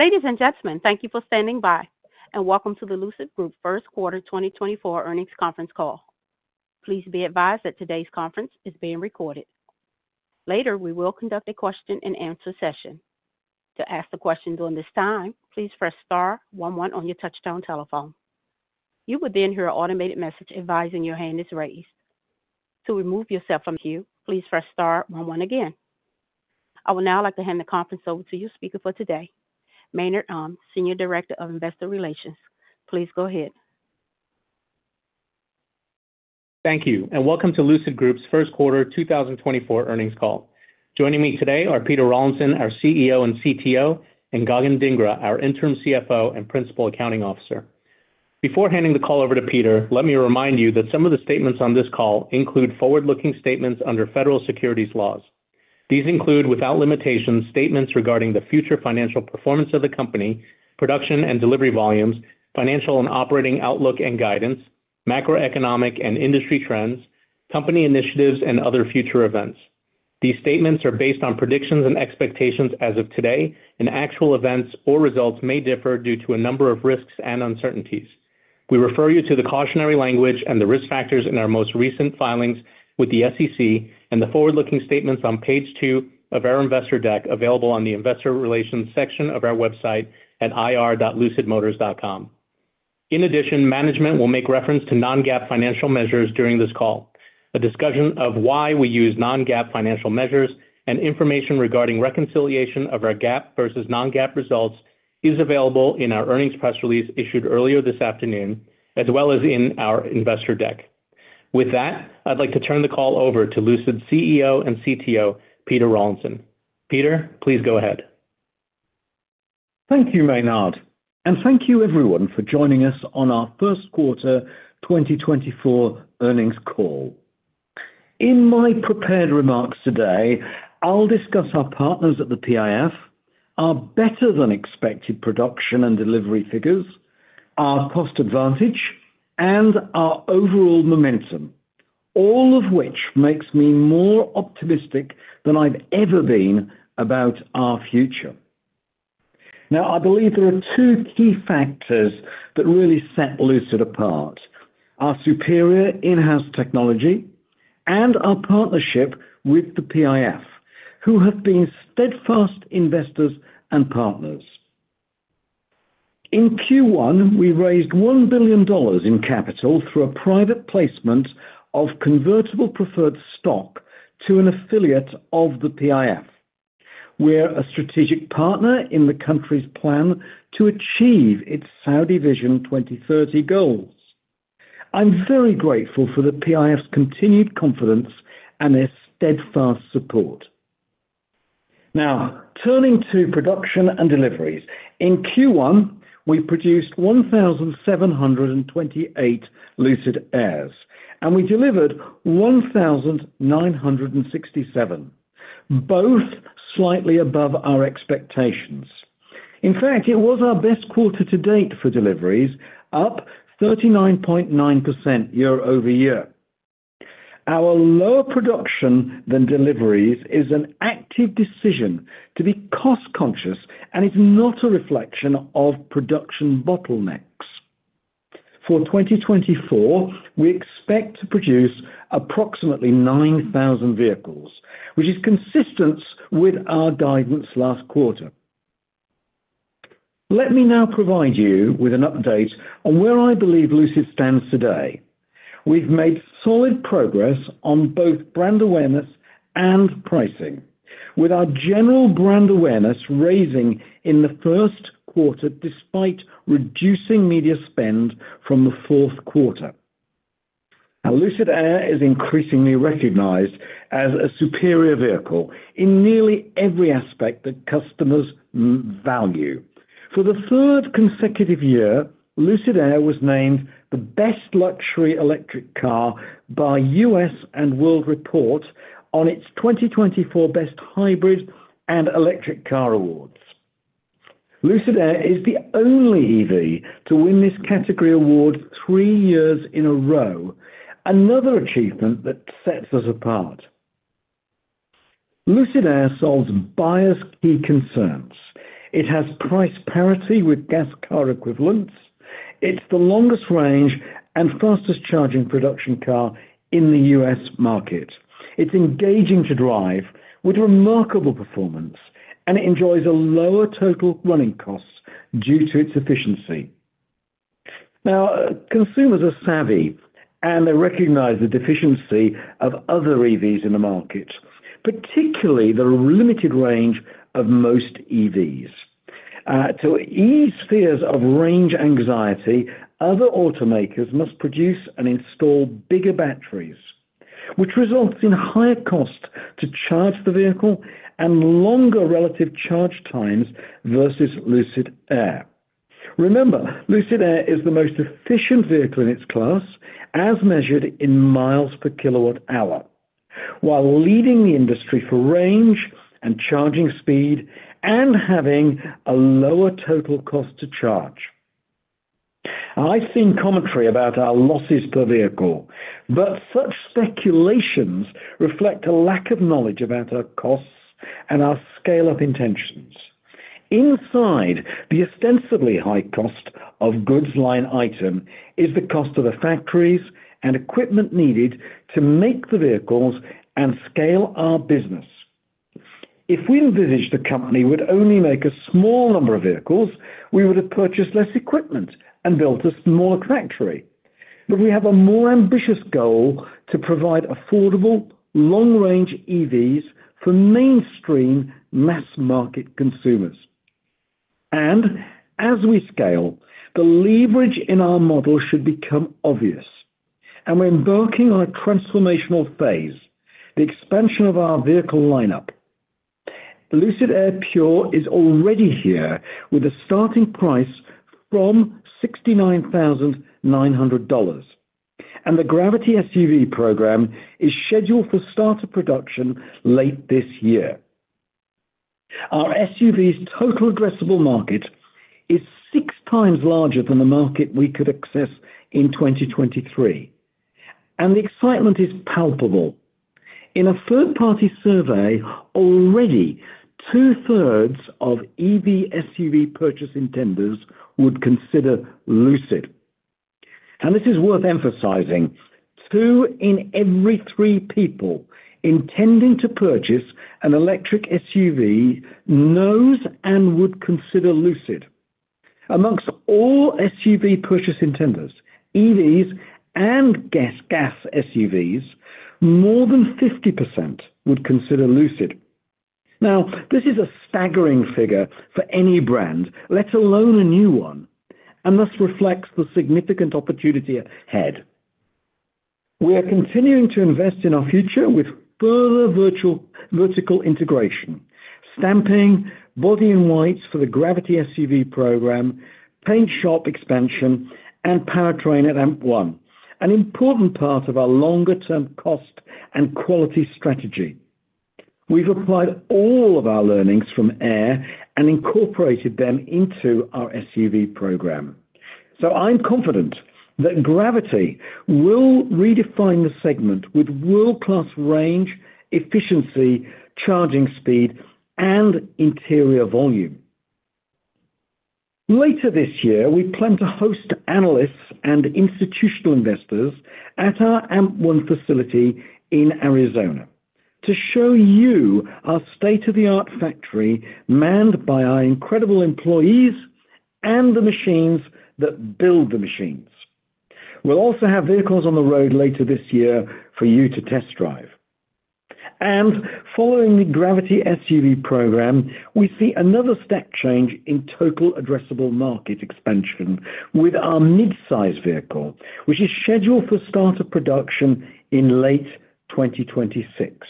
Ladies and gentlemen, thank you for standing by, and welcome to the Lucid Group First Quarter 2024 earnings conference call. Please be advised that today's conference is being recorded. Later, we will conduct a question-and-answer session. To ask the question during this time, please press star one one on your touchtone telephone. You will then hear an automated message advising your hand is raised. To remove yourself from the queue, please press star one one again. I would now like to hand the conference over to your speaker for today, Maynard Um, Senior Director of Investor Relations. Please go ahead. Thank you, and welcome to Lucid Group's First Quarter 2024 Earnings Call. Joining me today are Peter Rawlinson, our CEO and CTO, and Gagan Dhingra, our Interim CFO and Principal Accounting Officer. Before handing the call over to Peter, let me remind you that some of the statements on this call include forward-looking statements under federal securities laws. These include, without limitation, statements regarding the future financial performance of the company, production and delivery volumes, financial and operating outlook and guidance, macroeconomic and industry trends, company initiatives, and other future events. These statements are based on predictions and expectations as of today, and actual events or results may differ due to a number of risks and uncertainties. We refer you to the cautionary language and the risk factors in our most recent filings with the SEC and the forward-looking statements on page two of our investor deck, available on the Investor Relations section of our website at ir.lucidmotors.com. In addition, management will make reference to non-GAAP financial measures during this call. A discussion of why we use non-GAAP financial measures and information regarding reconciliation of our GAAP versus non-GAAP results is available in our earnings press release issued earlier this afternoon, as well as in our investor deck. With that, I'd like to turn the call over to Lucid's CEO and CTO, Peter Rawlinson. Peter, please go ahead. Thank you, Maynard, and thank you everyone for joining us on our first quarter 2024 earnings call. In my prepared remarks today, I'll discuss our partners at the PIF, our better-than-expected production and delivery figures, our cost advantage, and our overall momentum, all of which makes me more optimistic than I've ever been about our future. Now, I believe there are two key factors that really set Lucid apart, our superior in-house technology and our partnership with the PIF, who have been steadfast investors and partners. In Q1, we raised $1 billion in capital through a private placement of convertible preferred stock to an affiliate of the PIF. We're a strategic partner in the country's plan to achieve its Saudi Vision 2030 goals. I'm very grateful for the PIF's continued confidence and their steadfast support. Now, turning to production and deliveries. In Q1, we produced 1,728 Lucid Airs, and we delivered 1,967, both slightly above our expectations. In fact, it was our best quarter to date for deliveries, up 39.9% year-over-year. Our lower production than deliveries is an active decision to be cost-conscious, and it's not a reflection of production bottlenecks. For 2024, we expect to produce approximately 9,000 vehicles, which is consistent with our guidance last quarter. Let me now provide you with an update on where I believe Lucid stands today. We've made solid progress on both brand awareness and pricing, with our general brand awareness rising in the first quarter, despite reducing media spend from the fourth quarter. Now, Lucid Air is increasingly recognized as a superior vehicle in nearly every aspect that customers value. For the third consecutive year, Lucid Air was named the Best Luxury Electric Car by U.S. News & World Report on its 2024 Best Hybrid and Electric Car Awards. Lucid Air is the only EV to win this category award three years in a row, another achievement that sets us apart. Lucid Air solves buyers' key concerns. It has price parity with gas car equivalents. It's the longest range and fastest-charging production car in the U.S. market. It's engaging to drive with remarkable performance, and it enjoys a lower total running cost due to its efficiency. Now, consumers are savvy, and they recognize the deficiency of other EVs in the market, particularly the limited range of most EVs. To ease fears of range anxiety, other automakers must produce and install bigger batteries, which results in higher cost to charge the vehicle and longer relative charge times versus Lucid Air. Remember, Lucid Air is the most efficient vehicle in its class, as measured in miles per kilowatt-hour, while leading the industry for range and charging speed and having a lower total cost to charge. I've seen commentary about our losses per vehicle, but such speculations reflect a lack of knowledge about our costs and our scale-up intentions. Inside the ostensibly high cost of goods line item is the cost of the factories and equipment needed to make the vehicles and scale our business. If we envisaged the company would only make a small number of vehicles, we would have purchased less equipment and built a smaller factory. But we have a more ambitious goal to provide affordable, long-range EVs for mainstream mass-market consumers. And as we scale, the leverage in our model should become obvious, and we're embarking on a transformational phase, the expansion of our vehicle lineup. The Lucid Air Pure is already here, with a starting price from $69,900, and the Gravity SUV program is scheduled for start of production late this year. Our SUV's total addressable market is six times larger than the market we could access in 2023, and the excitement is palpable. In a third-party survey, already two-thirds of EV SUV purchase intenders would consider Lucid, and this is worth emphasizing. Two in every three people intending to purchase an electric SUV knows and would consider Lucid. Amongst all SUV purchase intenders, EVs and gas, gas SUVs, more than 50% would consider Lucid. Now, this is a staggering figure for any brand, let alone a new one, and this reflects the significant opportunity ahead. We are continuing to invest in our future with further vertical integration, stamping body-in-white for the Gravity SUV program, paint shop expansion, and powertrain at AMP-1, an important part of our longer-term cost and quality strategy. We've applied all of our learnings from Air and incorporated them into our SUV program. So I'm confident that Gravity will redefine the segment with world-class range, efficiency, charging speed, and interior volume. Later this year, we plan to host analysts and institutional investors at our AMP-1 facility in Arizona to show you our state-of-the-art factory, manned by our incredible employees and the machines that build the machines. We'll also have vehicles on the road later this year for you to test drive. Following the Gravity SUV program, we see another step change in total addressable market expansion with our mid-size vehicle, which is scheduled for start of production in late 2026.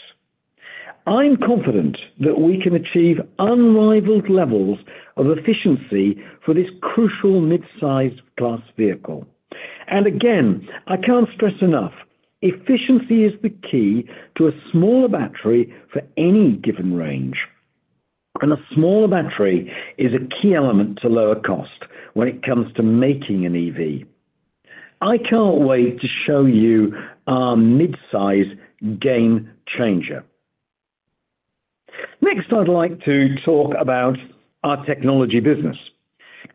I'm confident that we can achieve unrivaled levels of efficiency for this crucial mid-size class vehicle. And again, I can't stress enough, efficiency is the key to a smaller battery for any given range, and a smaller battery is a key element to lower cost when it comes to making an EV. I can't wait to show you our mid-size game changer. Next, I'd like to talk about our technology business.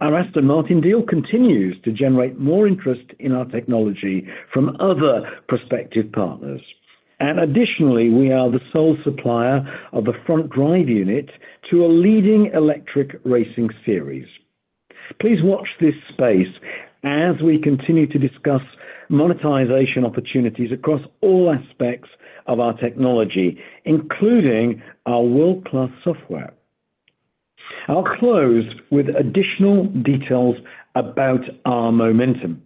Our Aston Martin deal continues to generate more interest in our technology from other prospective partners. And additionally, we are the sole supplier of the front drive unit to a leading electric racing series. Please watch this space as we continue to discuss monetization opportunities across all aspects of our technology, including our world-class software. I'll close with additional details about our momentum.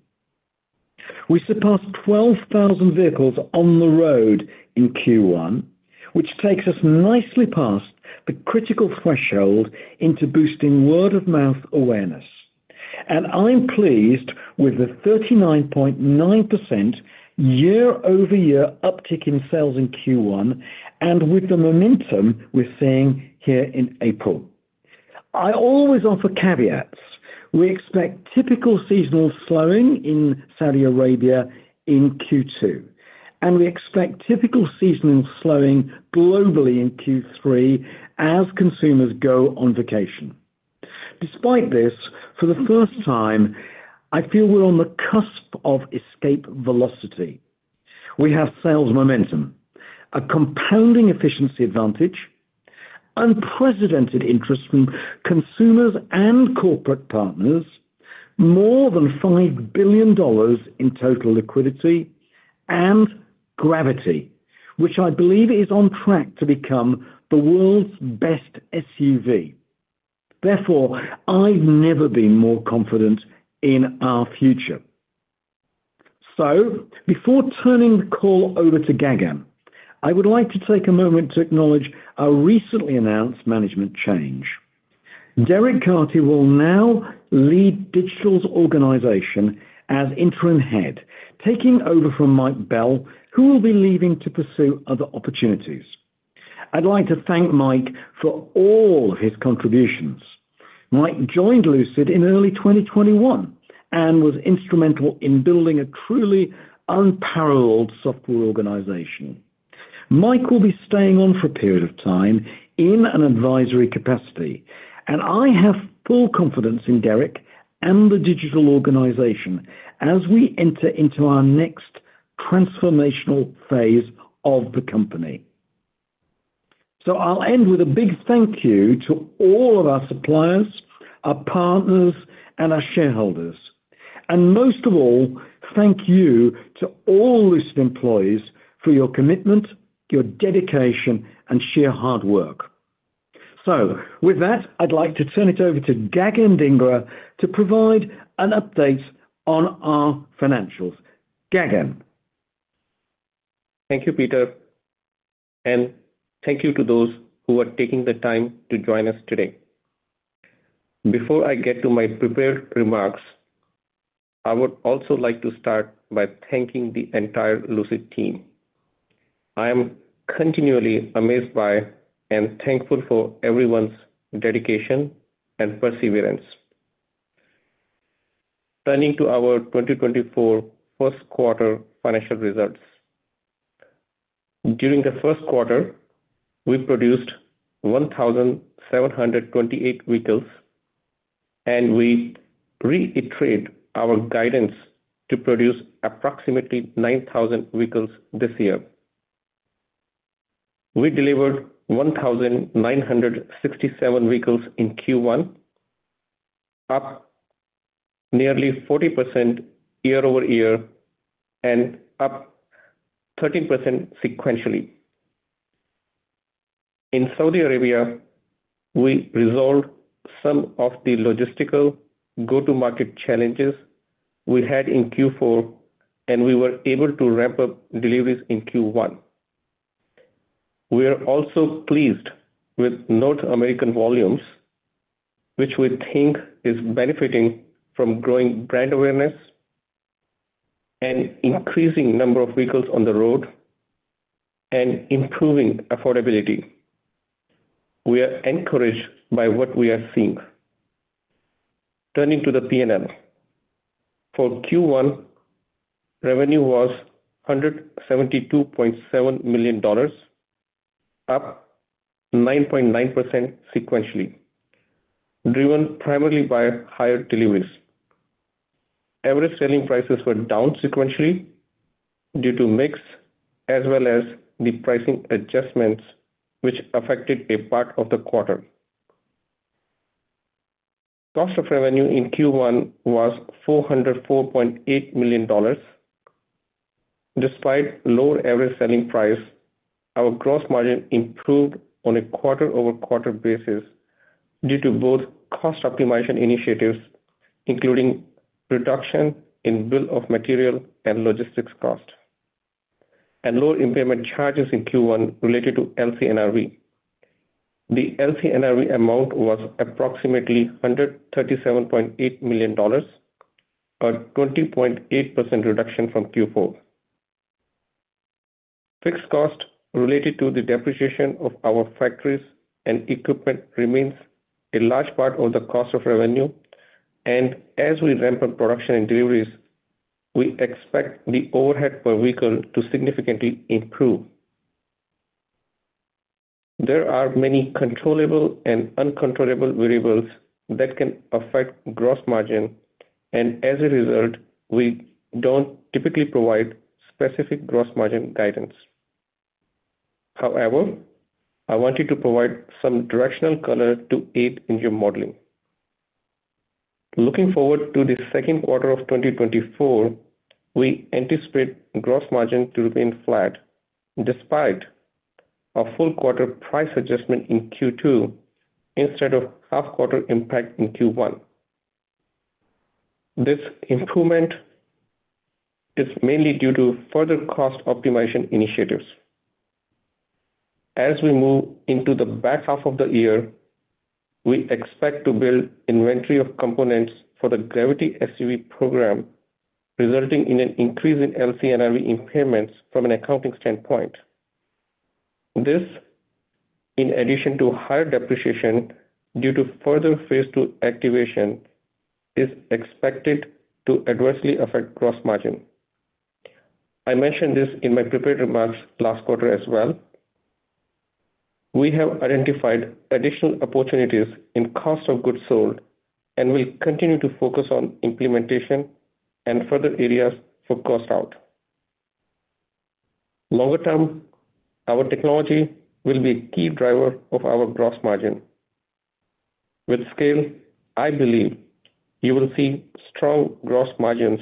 We surpassed 12,000 vehicles on the road in Q1, which takes us nicely past the critical threshold into boosting word-of-mouth awareness, and I'm pleased with the 39.9% year-over-year uptick in sales in Q1 and with the momentum we're seeing here in April. I always offer caveats. We expect typical seasonal slowing in Saudi Arabia in Q2, and we expect typical seasonal slowing globally in Q3 as consumers go on vacation. Despite this, for the first time, I feel we're on the cusp of escape velocity. We have sales momentum, a compounding efficiency advantage, unprecedented interest from consumers and corporate partners, more than $5 billion in total liquidity, and Gravity, which I believe is on track to become the world's best SUV. Therefore, I've never been more confident in our future. So before turning the call over to Gagan, I would like to take a moment to acknowledge our recently announced management change. Derek Carty will now lead Digital's organization as interim head, taking over from Mike Bell, who will be leaving to pursue other opportunities. I'd like to thank Mike for all of his contributions. Mike joined Lucid in early 2021, and was instrumental in building a truly unparalleled software organization. Mike will be staying on for a period of time in an advisory capacity, and I have full confidence in Derek and the digital organization as we enter into our next transformational phase of the company. So I'll end with a big thank you to all of our suppliers, our partners, and our shareholders, and most of all, thank you to all Lucid employees for your commitment, your dedication, and sheer hard work. So with that, I'd like to turn it over to Gagan Dhingra, to provide an update on our financials. Gagan? Thank you, Peter, and thank you to those who are taking the time to join us today. Before I get to my prepared remarks, I would also like to start by thanking the entire Lucid team. I am continually amazed by and thankful for everyone's dedication and perseverance. Turning to our 2024 first quarter financial results. During the first quarter, we produced 1,728 vehicles, and we reiterate our guidance to produce approximately 9,000 vehicles this year. We delivered 1,967 vehicles in Q1, up nearly 40% year-over-year and up 13% sequentially. In Saudi Arabia, we resolved some of the logistical go-to-market challenges we had in Q4, and we were able to ramp up deliveries in Q1. We are also pleased with North American volumes, which we think is benefiting from growing brand awareness and increasing number of vehicles on the road and improving affordability. We are encouraged by what we are seeing. Turning to the P&L. For Q1, revenue was $172.7 million, up 9.9% sequentially, driven primarily by higher deliveries. Average selling prices were down sequentially due to mix, as well as the pricing adjustments, which affected a part of the quarter. Cost of revenue in Q1 was $404.8 million. Despite lower average selling price, our gross margin improved on a quarter-over-quarter basis due to both cost optimization initiatives, including reduction in bill of materials and logistics cost, and lower impairment charges in Q1 related to LCNRV. The LCNRV amount was approximately $137.8 million, a 20.8% reduction from Q4. Fixed cost related to the depreciation of our factories and equipment remains a large part of the cost of revenue, and as we ramp up production and deliveries, we expect the overhead per vehicle to significantly improve. There are many controllable and uncontrollable variables that can affect gross margin, and as a result, we don't typically provide specific gross margin guidance. However, I wanted to provide some directional color to aid in your modeling. Looking forward to the second quarter of 2024, we anticipate gross margin to remain flat, despite a full quarter price adjustment in Q2 instead of half quarter impact in Q1. This improvement is mainly due to further cost optimization initiatives. As we move into the back half of the year, we expect to build inventory of components for the Gravity SUV program, resulting in an increase in LCNRV impairments from an accounting standpoint. This, in addition to higher depreciation due to further phase two activation, is expected to adversely affect gross margin. I mentioned this in my prepared remarks last quarter as well. We have identified additional opportunities in cost of goods sold, and we continue to focus on implementation and further areas for cost out. Longer term, our technology will be a key driver of our gross margin. With scale, I believe you will see strong gross margins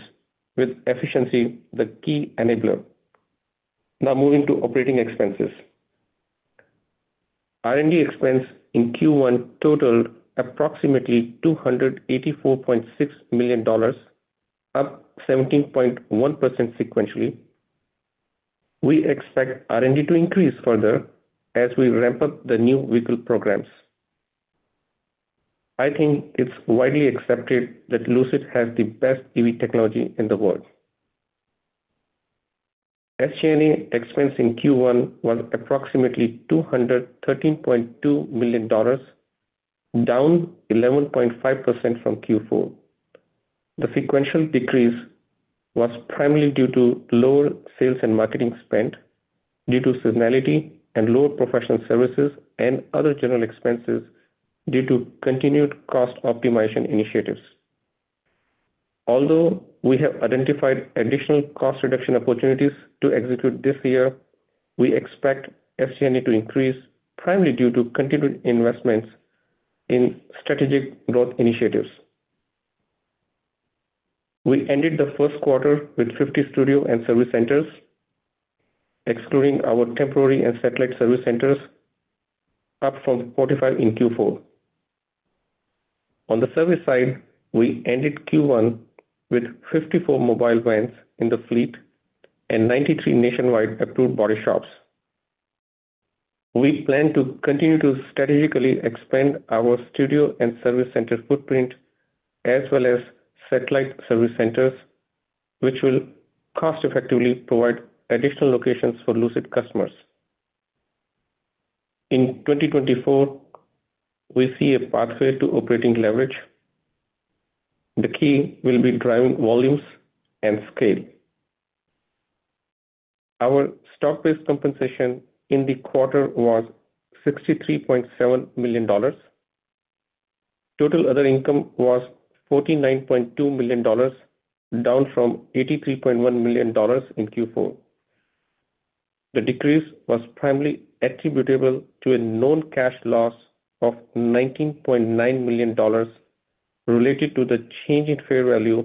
with efficiency, the key enabler. Now, moving to operating expenses. R&D expense in Q1 totaled approximately $284.6 million, up 17.1% sequentially. We expect R&D to increase further as we ramp up the new vehicle programs. I think it's widely accepted that Lucid has the best EV technology in the world. SG&A expense in Q1 was approximately $213.2 million, down 11.5% from Q4. The sequential decrease was primarily due to lower sales and marketing spend due to seasonality and lower professional services, and other general expenses due to continued cost optimization initiatives. Although we have identified additional cost reduction opportunities to execute this year, we expect SG&A to increase, primarily due to continued investments in strategic growth initiatives. We ended the first quarter with 50 studio and service centers, excluding our temporary and satellite service centers, up from 45 in Q4. On the service side, we ended Q1 with 54 mobile vans in the fleet and 93 nationwide approved body shops. We plan to continue to strategically expand our studio and service center footprint, as well as satellite service centers, which will cost effectively provide additional locations for Lucid customers. In 2024, we see a pathway to operating leverage. The key will be driving volumes and scale. Our stock-based compensation in the quarter was $63.7 million. Total other income was $49.2 million, down from $83.1 million in Q4. The decrease was primarily attributable to a known cash loss of $19.9 million related to the change in fair value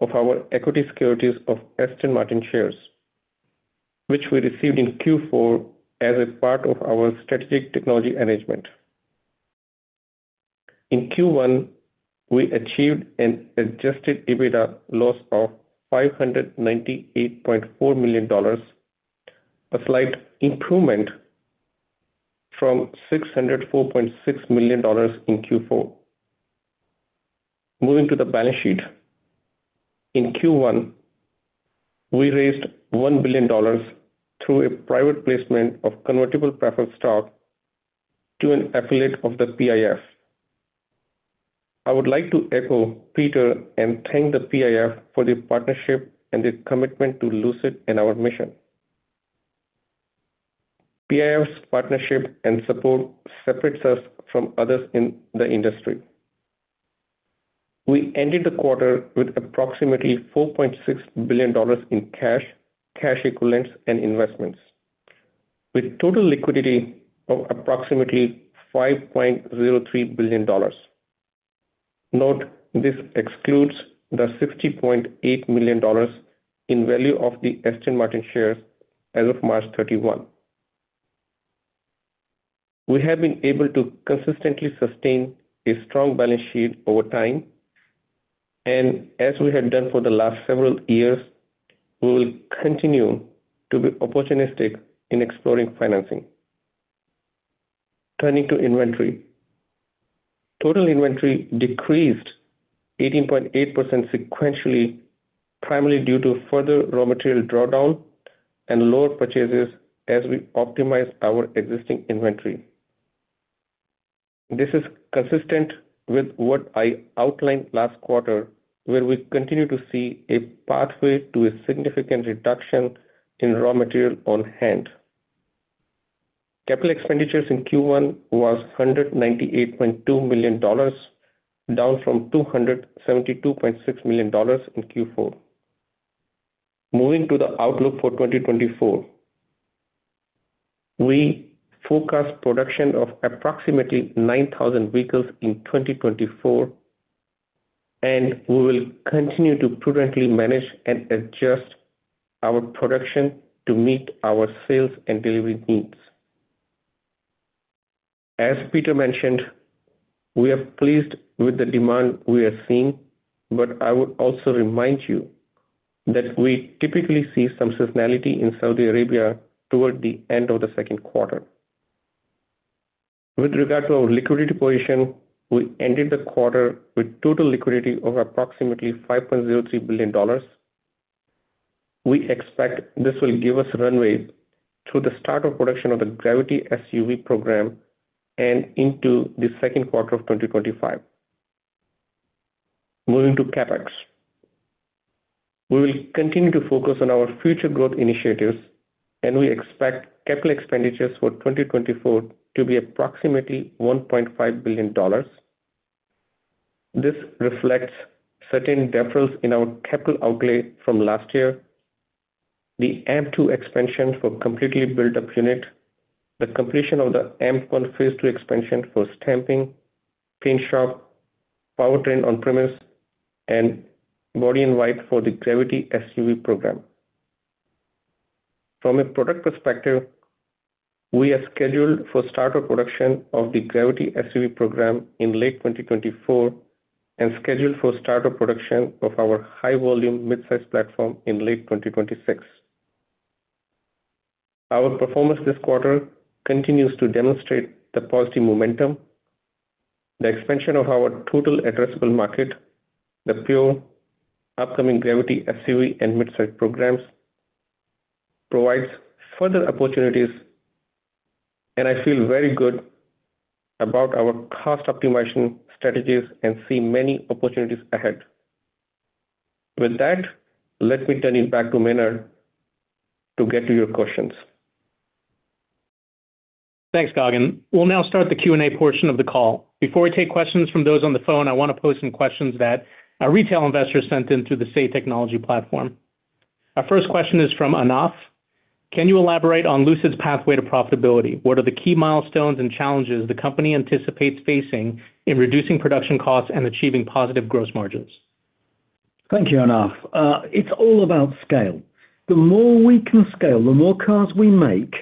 of our equity securities of Aston Martin shares, which we received in Q4 as a part of our strategic technology arrangement. In Q1, we achieved an adjusted EBITDA loss of $598.4 million, a slight improvement from $604.6 million in Q4. Moving to the balance sheet. In Q1, we raised $1 billion through a private placement of convertible preferred stock to an affiliate of the PIF. I would like to echo Peter and thank the PIF for their partnership and their commitment to Lucid and our mission. PIF's partnership and support separates us from others in the industry. We ended the quarter with approximately $4.6 billion in cash, cash equivalents, and investments, with total liquidity of approximately $5.03 billion. Note, this excludes the $60.8 million in value of the Aston Martin shares as of March 31. We have been able to consistently sustain a strong balance sheet over time, and as we have done for the last several years, we will continue to be opportunistic in exploring financing. Turning to inventory. Total inventory decreased 18.8% sequentially, primarily due to further raw material drawdown and lower purchases as we optimize our existing inventory. This is consistent with what I outlined last quarter, where we continue to see a pathway to a significant reduction in raw material on hand. Capital expenditures in Q1 was $198.2 million, down from $272.6 million in Q4. Moving to the outlook for 2024. We forecast production of approximately 9,000 vehicles in 2024, and we will continue to prudently manage and adjust our production to meet our sales and delivery needs. As Peter mentioned, we are pleased with the demand we are seeing, but I would also remind you that we typically see some seasonality in Saudi Arabia toward the end of the second quarter. With regard to our liquidity position, we ended the quarter with total liquidity of approximately $5.03 billion. We expect this will give us runway through the start of production of the Gravity SUV program and into the second quarter of 2025. Moving to CapEx. We will continue to focus on our future growth initiatives, and we expect capital expenditures for 2024 to be approximately $1.5 billion. This reflects certain deferrals in our capital outlay from last year, the AMP-2 expansion for completely built-up unit, the completion of the AMP-1 phase II expansion for stamping, paint shop, powertrain on-premise, and body in white for the Gravity SUV program. From a product perspective, we are scheduled for start of production of the Gravity SUV program in late 2024, and scheduled for start of production of our high-volume, mid-size platform in late 2026. Our performance this quarter continues to demonstrate the positive momentum, the expansion of our total addressable market, the Pure upcoming Gravity SUV and mid-size programs provides further opportunities, and I feel very good about our cost optimization strategies and see many opportunities ahead. With that, let me turn you back to Maynard to get to your questions. Thanks, Gagan. We'll now start the Q&A portion of the call. Before we take questions from those on the phone, I wanna pose some questions that our retail investors sent in through the Say Technologies platform. Our first question is from Anaf. Can you elaborate on Lucid's pathway to profitability? What are the key milestones and challenges the company anticipates facing in reducing production costs and achieving positive gross margins? Thank you, Anaf. It's all about scale. The more we can scale, the more cars we make,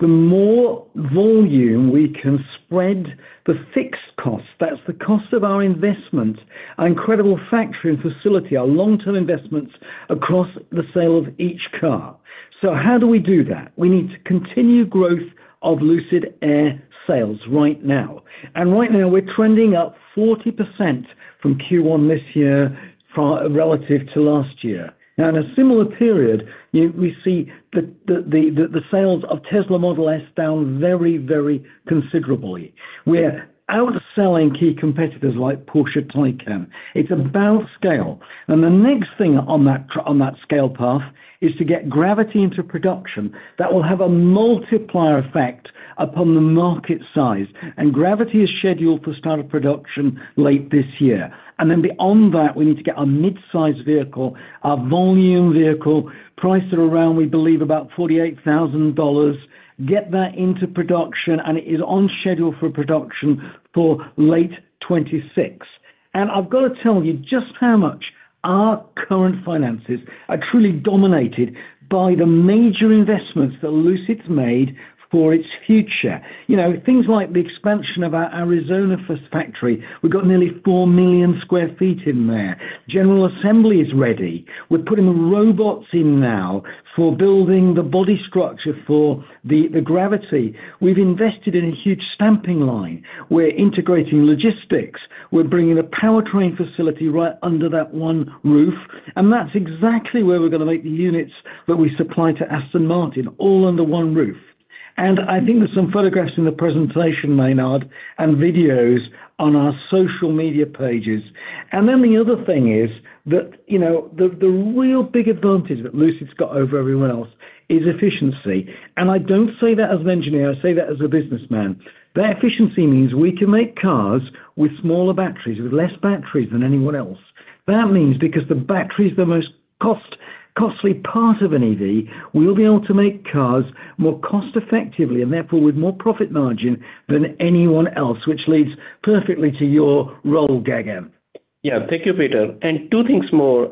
the more volume we can spread the fixed cost, that's the cost of our investment, our incredible factory and facility, our long-term investments across the sale of each car. So how do we do that? We need to continue growth of Lucid Air sales right now. And right now, we're trending up 40% from Q1 this year, far relative to last year. Now, in a similar period, we see the sales of Tesla Model S down very, very considerably. We're outselling key competitors like Porsche Taycan. It's about scale. And the next thing on that scale path is to get Gravity into production. That will have a multiplier effect upon the market size, and Gravity is scheduled for start of production late this year. Then beyond that, we need to get our mid-size vehicle, our volume vehicle, priced at around, we believe, about $48,000, get that into production, and it is on schedule for production for late 2026. And I've gotta tell you just how much our current finances are truly dominated by the major investments that Lucid's made for its future. You know, things like the expansion of our Arizona first factory. We've got nearly 4 million sq ft in there. General Assembly is ready. We're putting robots in now for building the body structure for the Gravity. We've invested in a huge stamping line. We're integrating logistics. We're bringing a powertrain facility right under that one roof, and that's exactly where we're gonna make the units that we supply to Aston Martin, all under one roof. And I think there's some photographs in the presentation, Maynard, and videos on our social media pages. And then the other thing is that, you know, the, the real big advantage that Lucid's got over everyone else is efficiency, and I don't say that as an engineer, I say that as a businessman. That efficiency means we can make cars with smaller batteries, with less batteries than anyone else. That means because the battery is the most cost, costly part of an EV, we'll be able to make cars more cost-effectively, and therefore, with more profit margin than anyone else, which leads perfectly to your role, Gagan. Yeah. Thank you, Peter. And two things more,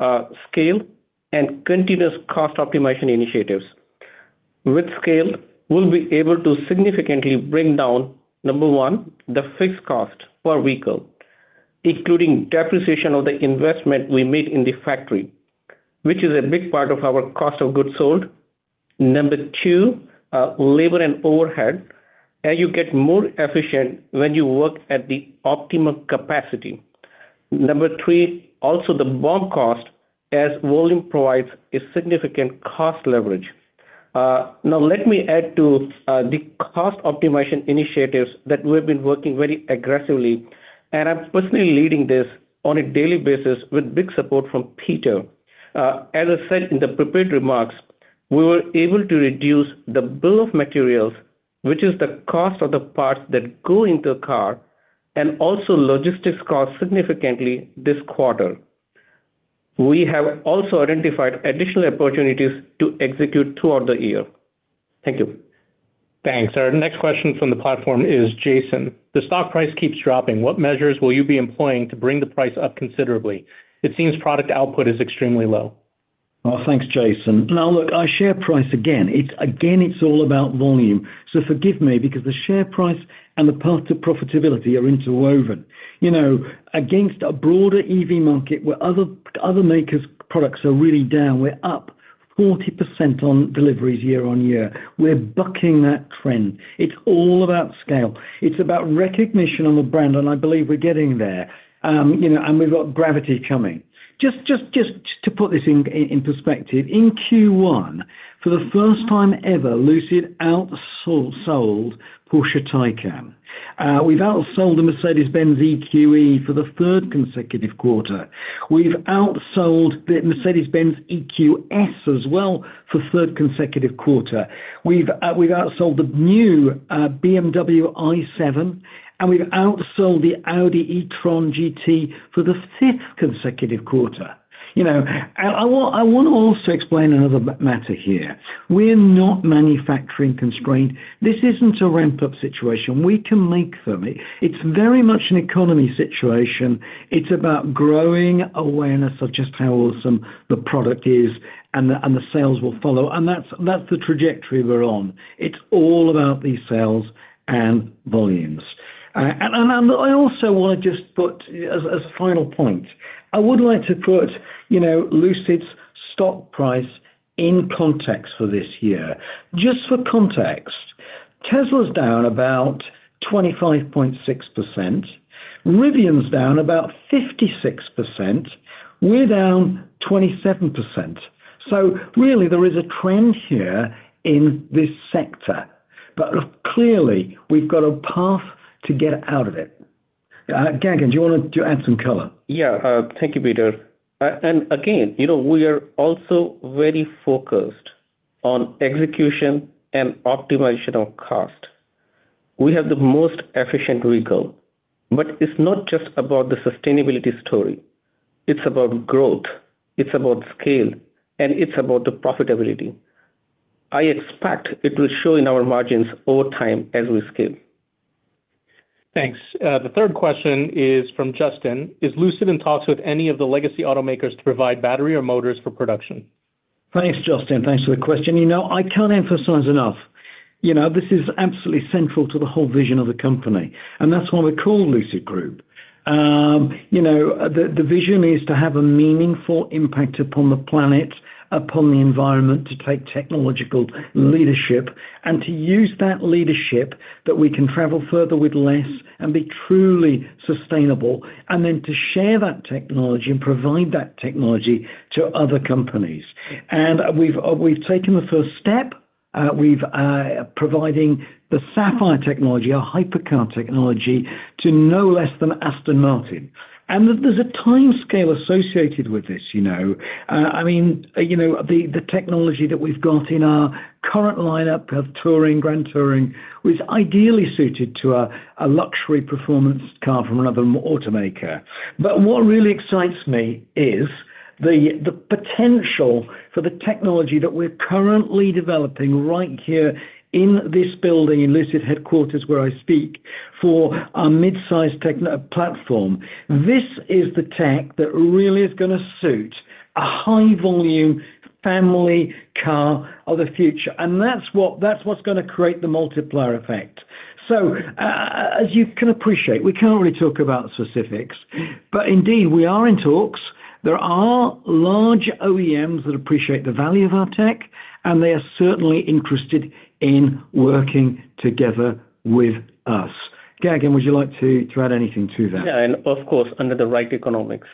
scale and continuous cost optimization initiatives. With scale, we'll be able to significantly bring down, number one, the fixed cost per vehicle, including depreciation of the investment we made in the factory, which is a big part of our cost of goods sold. Number two, labor and overhead, and you get more efficient when you work at the optimum capacity. Number three, also the BOM cost, as volume provides a significant cost leverage. Now let me add to the cost optimization initiatives that we've been working very aggressively, and I'm personally leading this on a daily basis with big support from Peter. As I said in the prepared remarks, we were able to reduce the bill of materials, which is the cost of the parts that go into a car, and also logistics cost significantly this quarter. We have also identified additional opportunities to execute throughout the year. Thank you. Thanks. Our next question from the platform is Jason. The stock price keeps dropping. What measures will you be employing to bring the price up considerably? It seems product output is extremely low. Well, thanks, Jason. Now, look, our share price, again, it's, again, it's all about volume. So forgive me, because the share price and the path to profitability are interwoven. You know, against a broader EV market where other makers' products are really down, we're up 40% on deliveries year-on-year. We're bucking that trend. It's all about scale. It's about recognition on the brand, and I believe we're getting there. You know, and we've got Gravity coming. Just to put this in perspective, in Q1, for the first time ever, Lucid outsold Porsche Taycan. We've outsold the Mercedes-Benz EQE for the third consecutive quarter. We've outsold the Mercedes-Benz EQS as well for third consecutive quarter. We've, we've outsold the new BMW i7, and we've outsold the Audi e-tron GT for the fifth consecutive quarter. You know, I wanna also explain another matter here. We're not manufacturing constrained. This isn't a ramp-up situation. We can make them. It's very much an economy situation. It's about growing awareness of just how awesome the product is, and the sales will follow, and that's the trajectory we're on. It's all about the sales and volumes. I also wanna just put Lucid's stock price in context for this year. Just for context, Tesla's down about 25.6%, Rivian's down about 56%, we're down 27%. So really, there is a trend here in this sector, but clearly, we've got a path to get out of it. Gagan, do you wanna add some color? Yeah, thank you, Peter. Again, you know, we are also very focused on execution and optimization of cost. We have the most efficient vehicle, but it's not just about the sustainability story, it's about growth, it's about scale, and it's about the profitability. I expect it will show in our margins over time as we scale. Thanks. The third question is from Justin: Is Lucid in talks with any of the legacy automakers to provide battery or motors for production? Thanks, Justin. Thanks for the question. You know, I can't emphasize enough, you know, this is absolutely central to the whole vision of the company, and that's why we're called Lucid Group. You know, the vision is to have a meaningful impact upon the planet, upon the environment, to take technological leadership, and to use that leadership that we can travel further with less and be truly sustainable, and then to share that technology and provide that technology to other companies. And, we've taken the first step, providing the Sapphire technology, our hypercar technology, to no less than Aston Martin. And there's a timescale associated with this, you know. I mean, you know, the technology that we've got in our current lineup of Touring, Grand Touring, is ideally suited to a luxury performance car from another automaker. But what really excites me is the potential for the technology that we're currently developing right here in this building, in Lucid headquarters, where I speak, for a mid-size technology platform. This is the tech that really is gonna suit a high-volume family car of the future, and that's what, that's what's gonna create the multiplier effect. So, as you can appreciate, we can't really talk about specifics, but indeed, we are in talks. There are large OEMs that appreciate the value of our tech, and they are certainly interested in working together with us. Gagan, would you like to add anything to that? Yeah, and of course, under the right economics.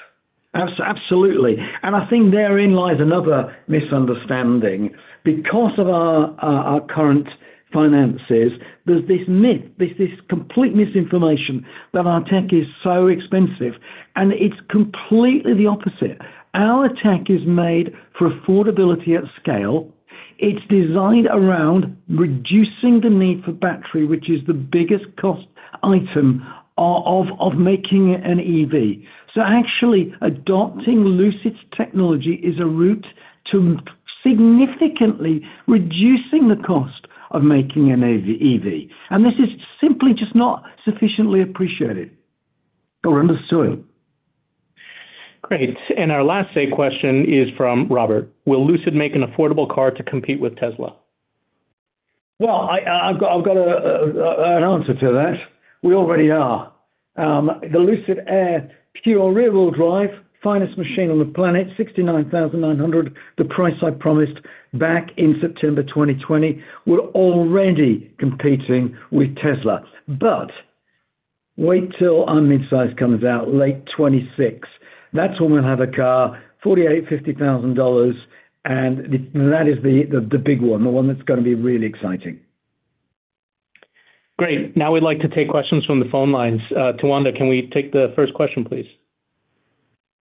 Absolutely, and I think therein lies another misunderstanding. Because of our current finances, there's this myth, there's this complete misinformation that our tech is so expensive, and it's completely the opposite. Our tech is made for affordability at scale. It's designed around reducing the need for battery, which is the biggest cost item of making an EV. So actually, adopting Lucid's technology is a route to significantly reducing the cost of making an EV, and this is simply just not sufficiently appreciated. Over to you. Great, and our last question is from Robert: Will Lucid make an affordable car to compete with Tesla? Well, I've got an answer to that. We already are. The Lucid Air Pure rear-wheel drive, finest machine on the planet, $69,900, the price I promised back in September 2020. We're already competing with Tesla, but wait till our mid-size comes out late 2026. That's when we'll have a car, $48,000-$50,000, and the... That is the big one, the one that's gonna be really exciting. Great. Now, we'd like to take questions from the phone lines. Tawanda, can we take the first question, please?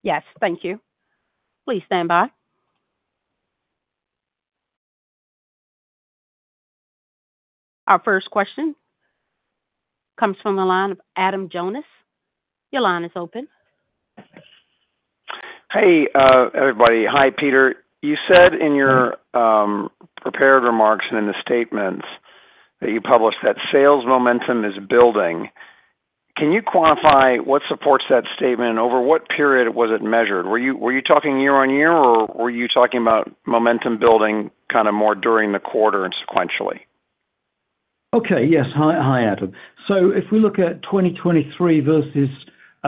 Yes, thank you. Please stand by. Our first question comes from the line of Adam Jonas. Your line is open. Hey, everybody. Hi, Peter. You said in your prepared remarks and in the statements that you published that sales momentum is building. Can you quantify what supports that statement, and over what period was it measured? Were you talking year on year, or were you talking about momentum building kind of more during the quarter and sequentially? Okay, yes. Hi, hi, Adam. So if we look at 2023 versus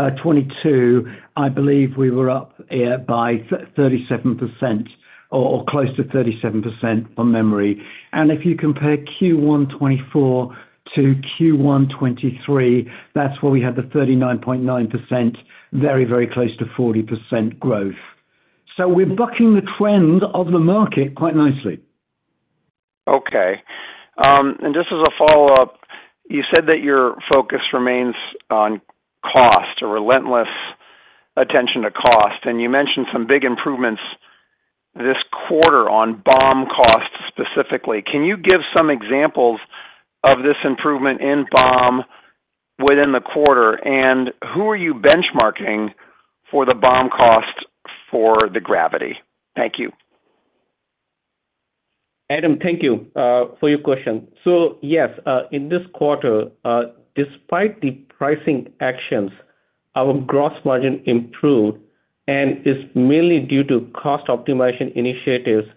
2022, I believe we were up by 37% or close to 37% from memory. If you compare Q1 2024 to Q1 2023, that's where we had the 39.9%, very, very close to 40% growth. So we're bucking the trend of the market quite nicely. Okay, and just as a follow-up, you said that your focus remains on cost, a relentless attention to cost, and you mentioned some big improvements this quarter on BOM costs specifically. Can you give some examples of this improvement in BOM within the quarter? And who are you benchmarking for the BOM cost for the Gravity? Thank you. Adam, thank you for your question. So yes, in this quarter, despite the pricing actions, our gross margin improved, and it's mainly due to cost optimization initiatives,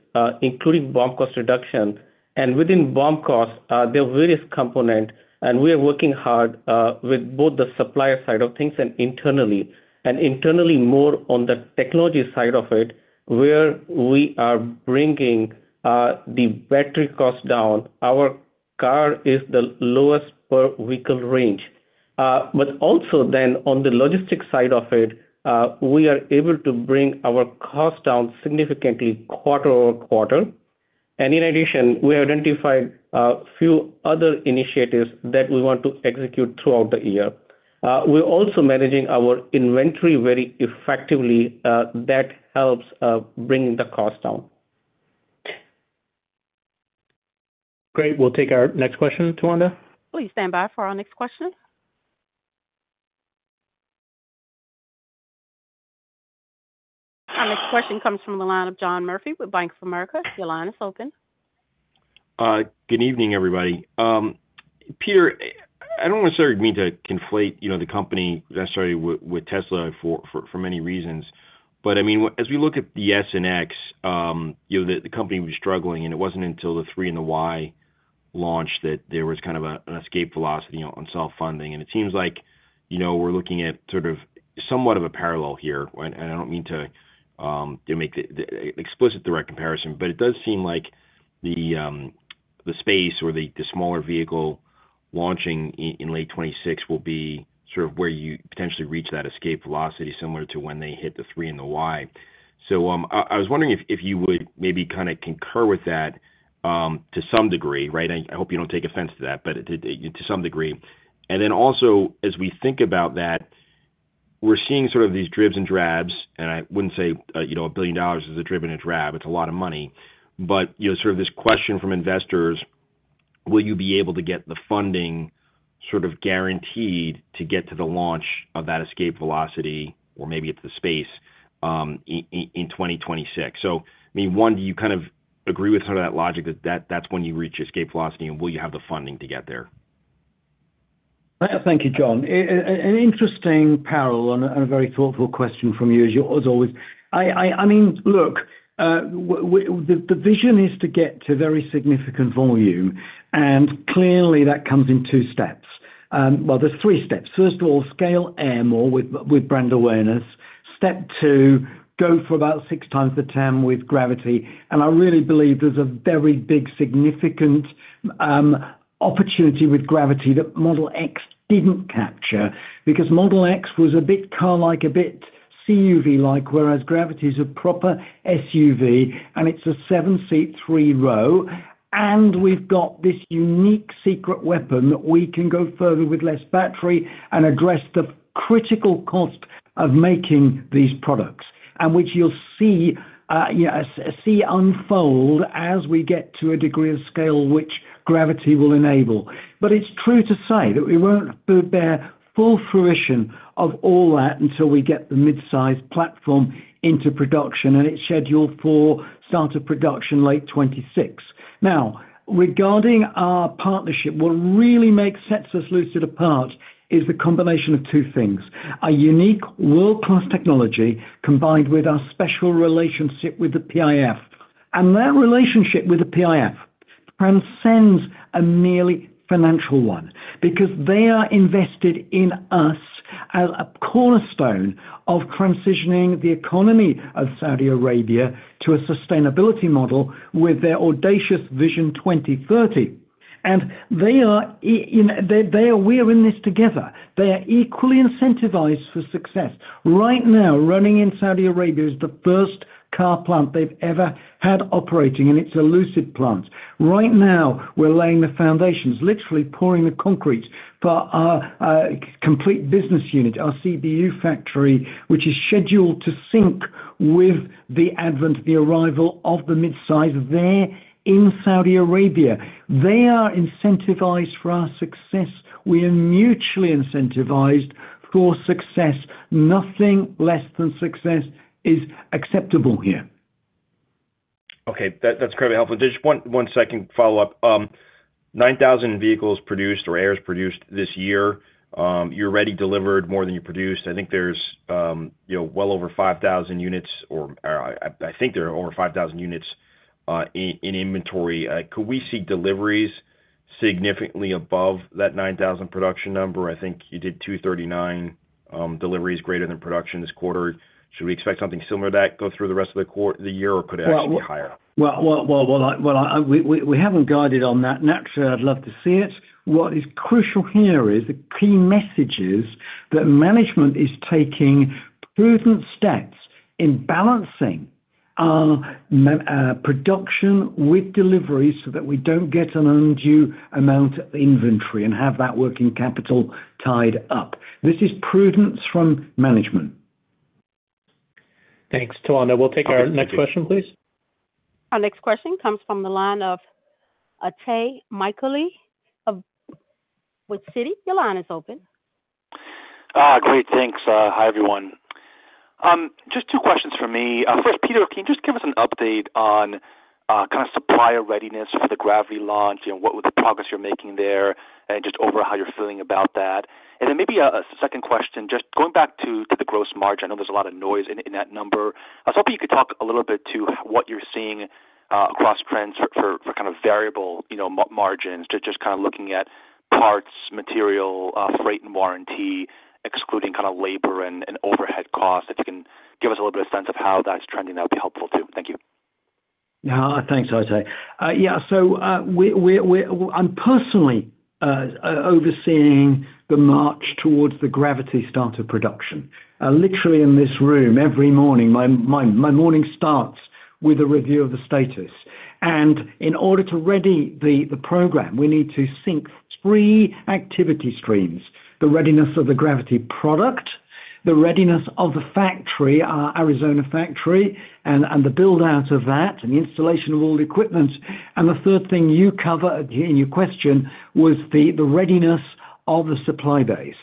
including BOM cost reduction. Within BOM costs, there are various components, and we are working hard with both the supplier side of things and internally. Internally, more on the technology side of it, where we are bringing the battery cost down. Our car is the lowest per vehicle range. But also then on the logistics side of it, we are able to bring our cost down significantly quarter-over-quarter. In addition, we identified a few other initiatives that we want to execute throughout the year. We're also managing our inventory very effectively, that helps bring the cost down. Great. We'll take our next question, Tawanda. Please stand by for our next question. Our next question comes from the line of John Murphy with Bank of America. Your line is open. Good evening, everybody. Peter, I don't necessarily mean to conflate, you know, the company necessarily with Tesla for many reasons. But I mean, as we look at the S and X, you know, the company was struggling, and it wasn't until the three and the Y launch that there was kind of a, an escape velocity on self-funding. And it seems like, you know, we're looking at sort of somewhat of a parallel here, and I don't mean to make the explicit direct comparison, but it does seem like the space or the smaller vehicle launching in late 2026 will be sort of where you potentially reach that escape velocity, similar to when they hit the three and the Y. So, I was wondering if you would maybe kinda concur with that, to some degree, right? I hope you don't take offense to that, but it to some degree. And then also, as we think about that, we're seeing sort of these dribs and drabs, and I wouldn't say, you know, $1 billion is a drib and a drab, it's a lot of money. But, you know, sort of this question from investors, will you be able to get the funding sort of guaranteed to get to the launch of that escape velocity, or maybe it's the space, in 2026? So, I mean, one, do you kind of agree with some of that logic that, that's when you reach escape velocity, and will you have the funding to get there? Thank you, John. An interesting parallel and a very thoughtful question from you, as always. I mean, look, the vision is to get to very significant volume, and clearly that comes in two steps. Well, there's three steps. First of all, scale Air more with brand awareness. Step two, go for about six times the volume with Gravity. And I really believe there's a very big significant opportunity with Gravity that Model X didn't capture, because Model X was a bit car-like, a bit CUV-like, whereas Gravity is a proper SUV, and it's a seven-seat, three-row. And we've got this unique secret weapon that we can go further with less battery and address the critical cost of making these products, and which you'll see unfold as we get to a degree of scale which Gravity will enable. But it's true to say that we won't bear full fruition of all that until we get the mid-size platform into production, and it's scheduled for start of production late 2026. Now, regarding our partnership, what really sets us Lucid apart is the combination of two things: a unique world-class technology, combined with our special relationship with the PIF. And that relationship with the PIF transcends a merely financial one, because they are invested in us as a cornerstone of transitioning the economy of Saudi Arabia to a sustainability model with their audacious Vision 2030. They are in this together. They are equally incentivized for success. Right now, running in Saudi Arabia is the first car plant they've ever had operating, and it's a Lucid plant. Right now, we're laying the foundations, literally pouring the concrete for our complete business unit, our CBU factory, which is scheduled to sync with the advent, the arrival of the midsize there in Saudi Arabia. They are incentivized for our success. We are mutually incentivized for success. Nothing less than success is acceptable here. Okay, that, that's incredibly helpful. Just one second follow-up. Nine thousand vehicles produced or Airs produced this year. You already delivered more than you produced. I think there's, you know, well over 5,000 units, or, I think there are over 5,000 units in inventory. Could we see deliveries significantly above that 9,000 production number? I think you did 239 deliveries greater than production this quarter. Should we expect something similar to that go through the rest of the year, or could it actually be higher? Well, we haven't guided on that. Actually, I'd love to see it. What is crucial here is, the key message is, that management is taking prudent steps in balancing our production with deliveries so that we don't get an undue amount of inventory and have that working capital tied up. This is prudence from management. Thanks, Tawanda. We'll take our next question, please. Our next question comes from the line of Itay Michaeli with Citi. Your line is open. Great, thanks. Hi, everyone. Just two questions for me. First, Peter, can you just give us an update on kind of supplier readiness for the Gravity launch, you know, what were the progress you're making there, and just overall, how you're feeling about that? And then maybe a second question, just going back to the gross margin. I know there's a lot of noise in that number. I was hoping you could talk a little bit to what you're seeing across trends for kind of variable, you know, margins, to just kind of looking at parts, material, freight and warranty, excluding kind of labor and overhead costs. If you can give us a little bit of sense of how that's trending, that would be helpful too. Thank you. Thanks, Itay. Yeah, so I'm personally overseeing the march towards the Gravity start of production. Literally in this room, every morning, my morning starts with a review of the status. And in order to ready the program, we need to sync three activity streams: the readiness of the Gravity product, the readiness of the factory, our Arizona factory, and the build-out of that, and the installation of all the equipment, and the third thing you cover in your question was the readiness of the supply base.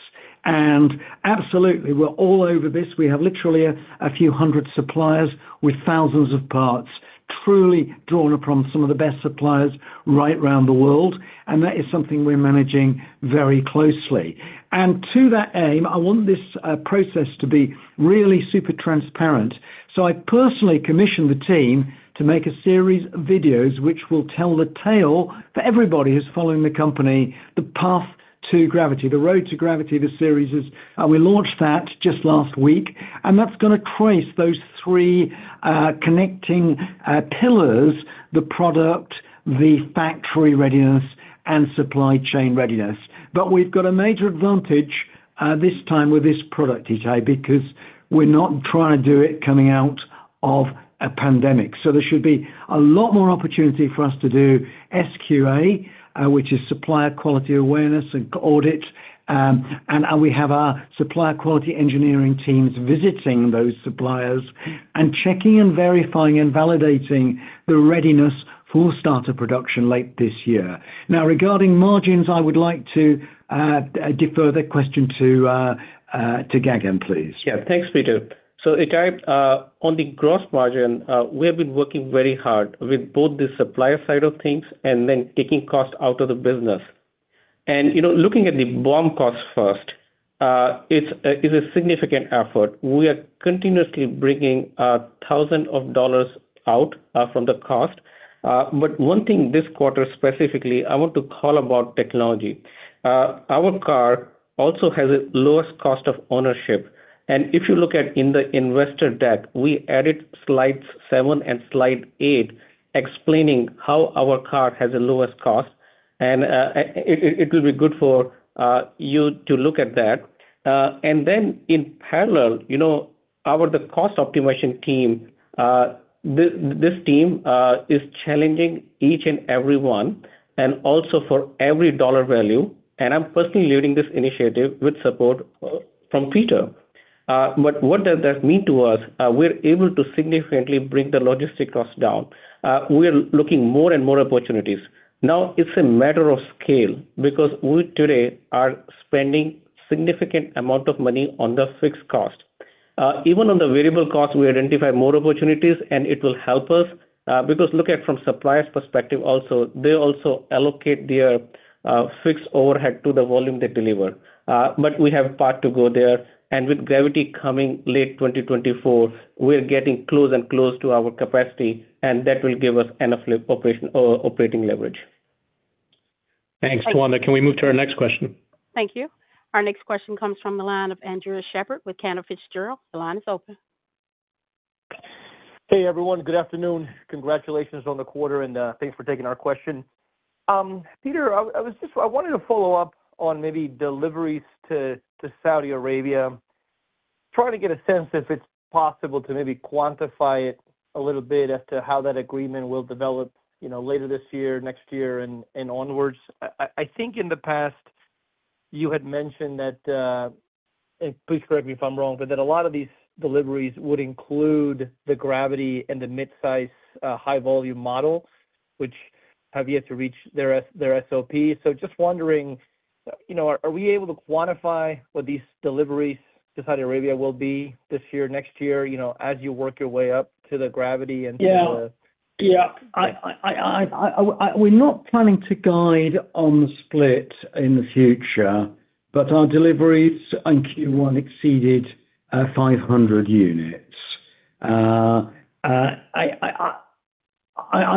And absolutely, we're all over this. We have literally a few hundred suppliers with thousands of parts, truly drawn upon some of the best suppliers right around the world, and that is something we're managing very closely. And to that aim, I want this process to be really super transparent. So I personally commissioned the team to make a series of videos which will tell the tale for everybody who's following the company, the path to Gravity. The Road to Gravity, the series, is, we launched that just last week, and that's gonna trace those three connecting pillars: the product, the factory readiness, and supply chain readiness. But we've got a major advantage, this time with this product, Itay, because we're not trying to do it coming out of a pandemic. So there should be a lot more opportunity for us to do SQA, which is Supplier Quality Awareness and Audit. And we have our supplier quality engineering teams visiting those suppliers and checking, and verifying, and validating the readiness for start of production late this year. Now, regarding margins, I would like to defer the question to Gagan, please. Yeah. Thanks, Peter. So Itay, on the gross margin, we have been working very hard with both the supplier side of things and then taking cost out of the business. And, you know, looking at the BOM cost first, it's a significant effort. We are continuously bringing thousands of dollars out from the cost. But one thing this quarter specifically, I want to call about technology. Our car also has the lowest cost of ownership, and if you look at in the investor deck, we added slides 7 and slide 8, explaining how our car has the lowest cost, and it will be good for you to look at that. And then in parallel, you know, our, the cost optimization team, this team, is challenging each and everyone, and also for every dollar value, and I'm personally leading this initiative with support from Peter. But what does that mean to us? We're able to significantly bring the logistic cost down. We are looking more and more opportunities. Now, it's a matter of scale, because we today are spending significant amount of money on the fixed cost. Even on the variable cost, we identify more opportunities, and it will help us, because look at from suppliers' perspective also, they also allocate their fixed overhead to the volume they deliver. But we have far to go there, and with Gravity coming late 2024, we're getting closer and closer to our capacity, and that will give us enough operating leverage. Thanks, Tawanda. Can we move to our next question? Thank you. Our next question comes from the line of Andres Sheppard with Cantor Fitzgerald. The line is open. Hey, everyone. Good afternoon. Congratulations on the quarter, and thanks for taking our question. Peter, I was just—I wanted to follow up on maybe deliveries to Saudi Arabia. Trying to get a sense, if it's possible, to maybe quantify it a little bit as to how that agreement will develop, you know, later this year, next year, and onwards. I think in the past you had mentioned that, and please correct me if I'm wrong, but that a lot of these deliveries would include the Gravity and the mid-size, high volume models, which have yet to reach their SOP. So just wondering, you know, are we able to quantify what these deliveries to Saudi Arabia will be this year, next year, you know, as you work your way up to the Gravity and to the- Yeah. Yeah, we're not planning to guide on the split in the future, but our deliveries in Q1 exceeded 500 units. I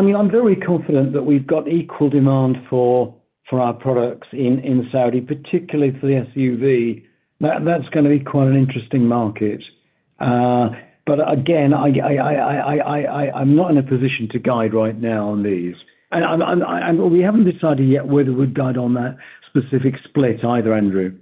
mean, I'm very confident that we've got equal demand for our products in Saudi, particularly for the SUV. That's gonna be quite an interesting market. But again, I'm not in a position to guide right now on these. And we haven't decided yet whether we'd guide on that specific split either, Andres.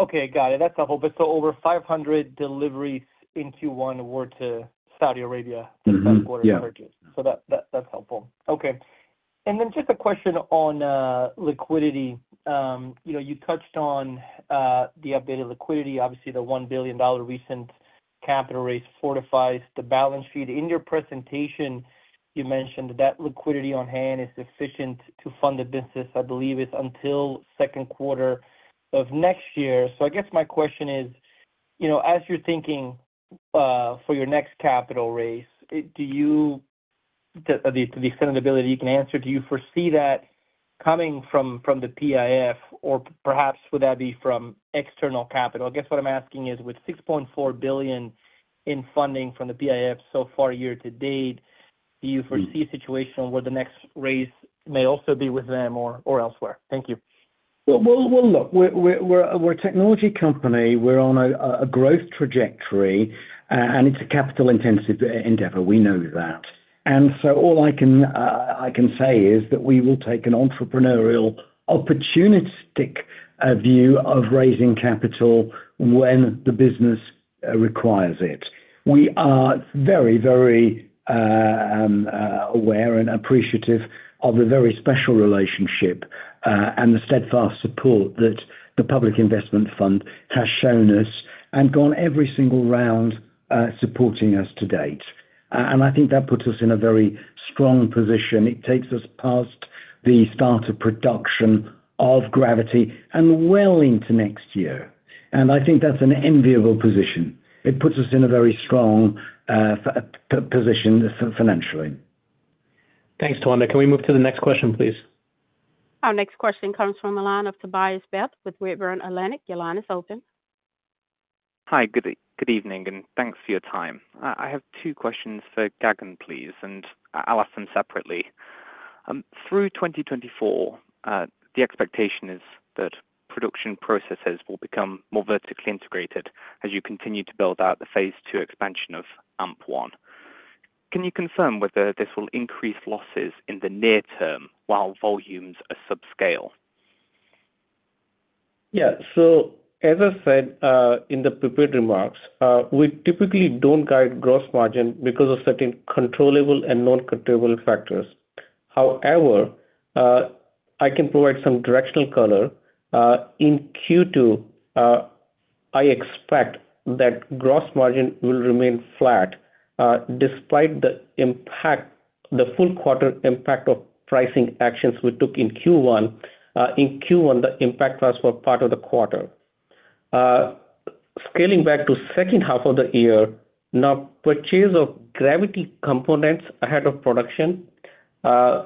Okay, got it. That's helpful. But so over 500 deliveries in Q1 were to Saudi Arabia- Mm-hmm. Yeah For quarter purchase. So that's helpful. Okay. And then just a question on liquidity. You know, you touched on the updated liquidity, obviously the $1 billion recent capital raise fortifies the balance sheet. In your presentation, you mentioned that that liquidity on hand is sufficient to fund the business, I believe it's until second quarter of next year. So I guess my question is, you know, as you're thinking, for your next capital raise, do you, to the extent and ability you can answer, do you foresee that coming from, from the PIF? Or perhaps would that be from external capital? I guess what I'm asking is, with $6.4 billion in funding from the PIF so far year to date, do you foresee a situation where the next raise may also be with them or, or elsewhere? Thank you. Well, well, well, look, we're a technology company. We're on a growth trajectory, and it's a capital-intensive endeavor. We know that. So all I can say is that we will take an entrepreneurial, opportunistic view of raising capital when the business requires it. We are very, very aware and appreciative of the very special relationship and the steadfast support that the Public Investment Fund has shown us, and gone every single round supporting us to date. And I think that puts us in a very strong position. It takes us past the start of production of Gravity and well into next year, and I think that's an enviable position. It puts us in a very strong financial position financially. Thanks, Tawanda. Can we move to the next question, please? Our next question comes from the line of Tobias Betts with Redburn Atlantic. Your line is open. Hi, good evening, and thanks for your time. I have two questions for Gagan, please, and I'll ask them separately. Through 2024, the expectation is that production processes will become more vertically integrated as you continue to build out the phase two expansion of AMP-1. Can you confirm whether this will increase losses in the near term while volumes are subscale? Yeah. So as I said, in the prepared remarks, we typically don't guide gross margin because of certain controllable and non-controllable factors. However, I can provide some directional color. In Q2, I expect that gross margin will remain flat, despite the impact, the full quarter impact of pricing actions we took in Q1. In Q1, the impact was for part of the quarter. Scaling back to second half of the year, now, purchase of Gravity components ahead of production,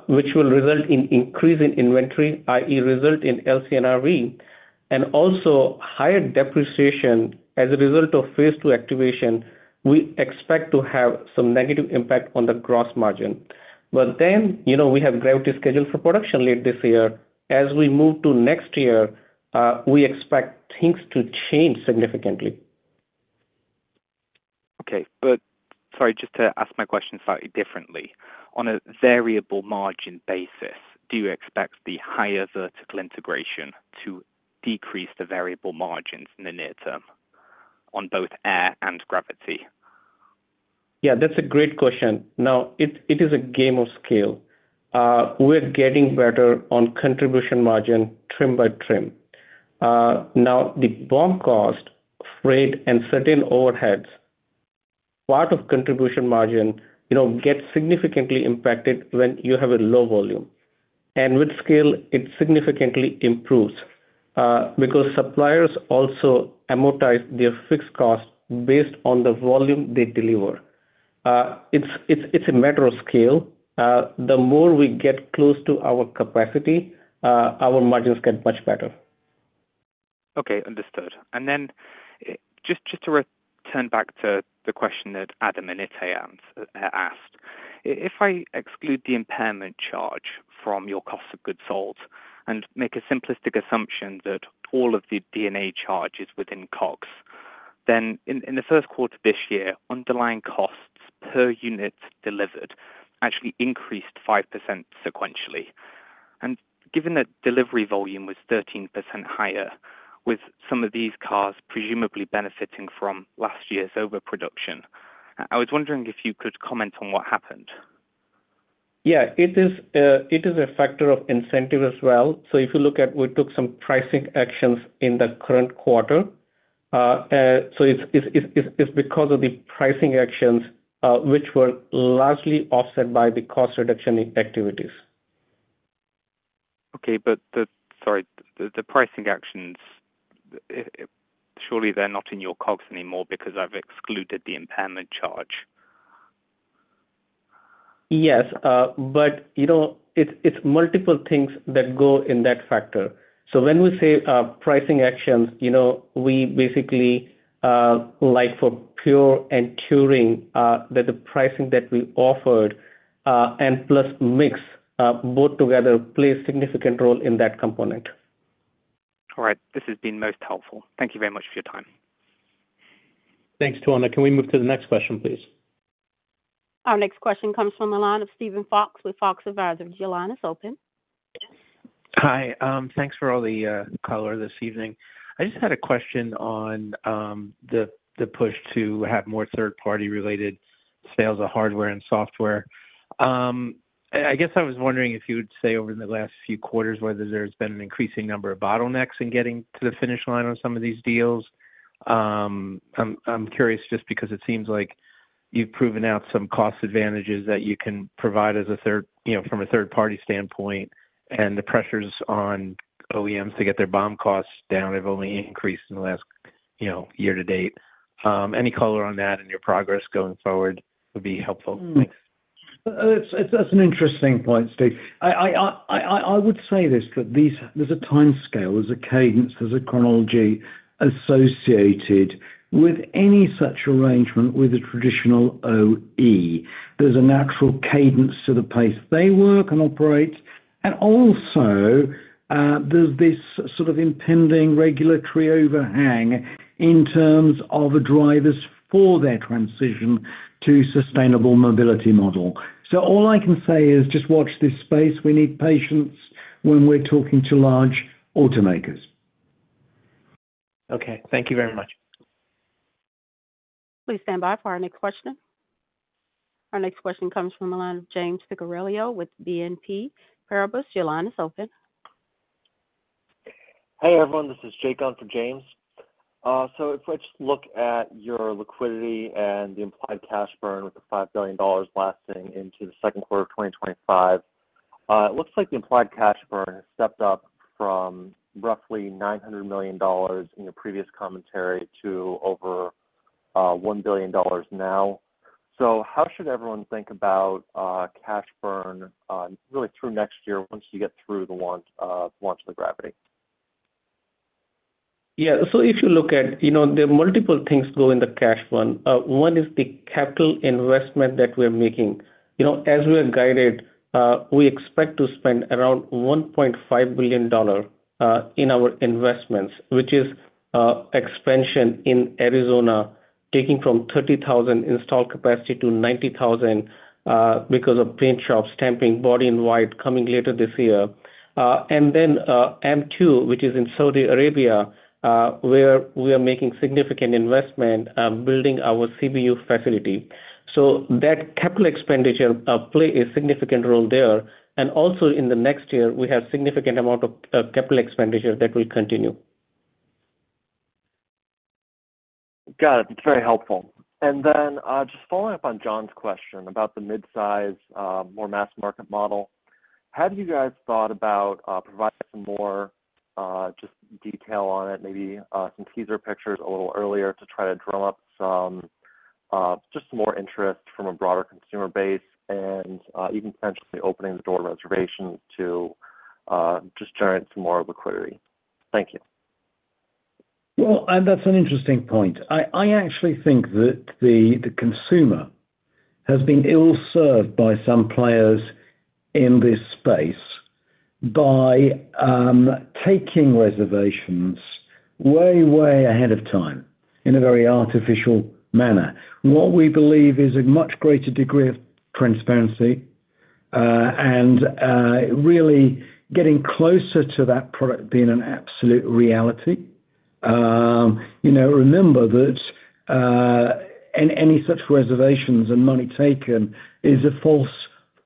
which will result in increase in inventory, i.e., result in LCNRV, and also higher depreciation as a result of phase two activation, we expect to have some negative impact on the gross margin. But then, you know, we have Gravity scheduled for production late this year. As we move to next year, we expect things to change significantly. Okay. But sorry, just to ask my question slightly differently. On a variable margin basis, do you expect the higher vertical integration to decrease the variable margins in the near term on both Air and Gravity? Yeah, that's a great question. Now, it is a game of scale. We're getting better on contribution margin trim by trim. Now, the BOM cost, freight, and certain overheads, part of contribution margin, you know, gets significantly impacted when you have a low volume. And with scale, it significantly improves, because suppliers also amortize their fixed cost based on the volume they deliver. It's a matter of scale. The more we get close to our capacity, our margins get much better. Okay, understood. And then, just to return back to the question that Adam and Itay asked. If I exclude the impairment charge from your cost of goods sold and make a simplistic assumption that all of the D&A charge is within COGS, then in the first quarter of this year, underlying costs per unit delivered actually increased 5% sequentially. And given that delivery volume was 13% higher, with some of these cars presumably benefiting from last year's overproduction, I was wondering if you could comment on what happened. Yeah, it is a factor of incentive as well. So if you look at we took some pricing actions in the current quarter. So it's because of the pricing actions, which were largely offset by the cost reduction in activities. Okay, but sorry, the pricing actions surely they're not in your COGS anymore because I've excluded the impairment charge. Yes, but, you know, it's, it's multiple things that go in that factor. So when we say pricing actions, you know, we basically, like for Pure and Touring, that the pricing that we offered, and plus mix, both together play a significant role in that component. All right. This has been most helpful. Thank you very much for your time. Thanks, Tawanda. Can we move to the next question, please? Our next question comes from the line of Steven Fox with Fox Advisors. Your line is open. Hi. Thanks for all the color this evening. I just had a question on the push to have more third-party related sales of hardware and software. I guess I was wondering if you would say, over the last few quarters, whether there's been an increasing number of bottlenecks in getting to the finish line on some of these deals? I'm curious just because it seems like you've proven out some cost advantages that you can provide as a third, you know, from a third-party standpoint, and the pressures on OEMs to get their BOM costs down have only increased in the last, you know, year to date. Any color on that and your progress going forward would be helpful. Thanks. It's an interesting point, Steve. I would say this, that these—there's a timescale, there's a cadence, there's a chronology associated with any such arrangement with a traditional OE. There's a natural cadence to the pace they work and operate, and also, there's this sort of impending regulatory overhang in terms of the drivers for their transition to sustainable mobility model. So all I can say is just watch this space. We need patience when we're talking to large automakers. Okay, thank you very much. Please stand by for our next question. Our next question comes from the line of James Picariello with BNP Paribas. Your line is open. Hey, everyone, this is Jake on for James. So if I just look at your liquidity and the implied cash burn with the $5 billion lasting into the second quarter of 2025, it looks like the implied cash burn has stepped up from roughly $900 million in your previous commentary to over $1 billion now. So how should everyone think about cash burn really through next year once you get through the launch of the Gravity? Yeah. So if you look at, you know, there are multiple things go in the cash burn. One is the capital investment that we're making. You know, as we have guided, we expect to spend around $1.5 billion in our investments, which is expansion in Arizona, taking from 30,000 installed capacity to 90,000 because of paint shops, stamping, body in white, coming later this year. And then, AMP-2, which is in Saudi Arabia, where we are making significant investment, building our CBU facility. So that capital expenditure plays a significant role there. And also in the next year, we have significant amount of capital expenditure that will continue. Got it. It's very helpful. And then, just following up on John's question about the mid-size, more mass market model, have you guys thought about, providing some more, just detail on it, maybe, some teaser pictures a little earlier to try to drum up some, just some more interest from a broader consumer base and, even potentially opening the door to reservations to, just generate some more liquidity? Thank you. Well, and that's an interesting point. I actually think that the consumer has been ill-served by some players in this space by taking reservations way, way ahead of time in a very artificial manner. What we believe is a much greater degree of transparency and really getting closer to that product being an absolute reality. You know, remember that any such reservations and money taken is a false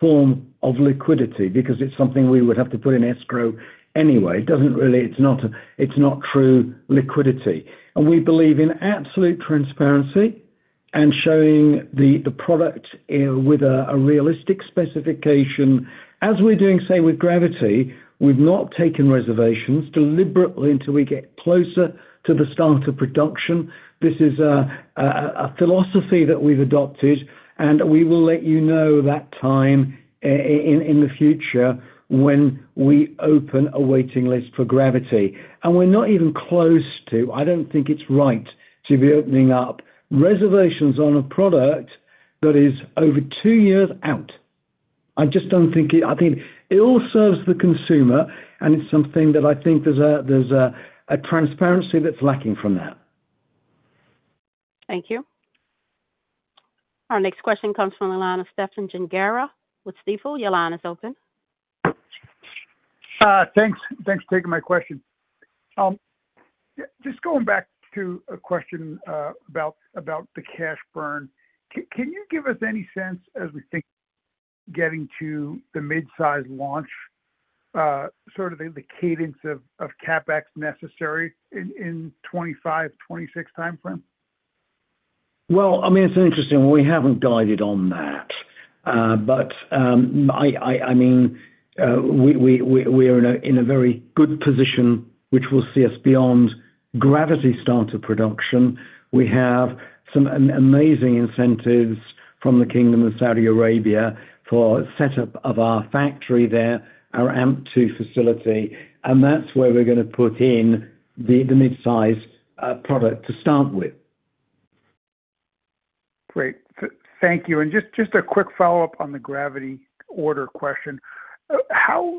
form of liquidity because it's something we would have to put in escrow anyway. It doesn't really. It's not, it's not true liquidity. And we believe in absolute transparency and showing the product with a realistic specification. As we're doing, say, with Gravity, we've not taken reservations deliberately until we get closer to the start of production. This is a philosophy that we've adopted, and we will let you know that time in the future when we open a waiting list for Gravity. We're not even close to... I don't think it's right to be opening up reservations on a product that is over two years out. I just don't think it. I think it ill serves the consumer, and it's something that I think there's a transparency that's lacking from that. Thank you. Our next question comes from the line of Stephen Gengaro with Stifel. Your line is open. Thanks. Thanks for taking my question. Just going back to a question about the cash burn. Can you give us any sense as we think getting to the mid-size launch, sort of the cadence of CapEx necessary in 2025, 2026 timeframe? Well, I mean, it's interesting. We haven't guided on that. But I mean, we are in a very good position, which will see us beyond Gravity start of production. We have some amazing incentives from the Kingdom of Saudi Arabia for setup of our factory there, our AMP-2 facility, and that's where we're gonna put in the mid-size product to start with. Great. Thank you. And just, just a quick follow-up on the Gravity order question. How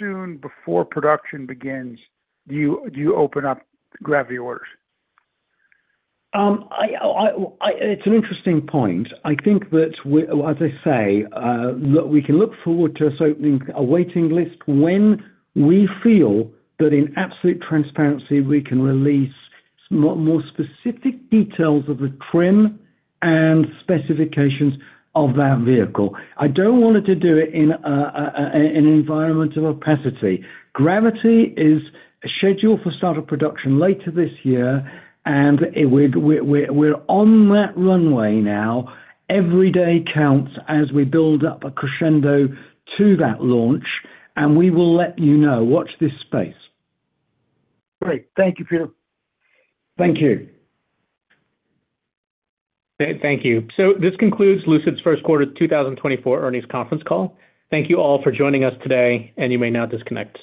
soon before production begins do you, do you open up Gravity orders? It's an interesting point. I think that as I say, we can look forward to us opening a waiting list when we feel that in absolute transparency, we can release more, more specific details of the trim and specifications of that vehicle. I don't want to do it in an environment of opacity. Gravity is scheduled for start of production later this year, and we're on that runway now. Every day counts as we build up a crescendo to that launch, and we will let you know. Watch this space. Great. Thank you, Peter. Thank you. Thank you. So this concludes Lucid's first quarter 2024 earnings conference call. Thank you all for joining us today, and you may now disconnect.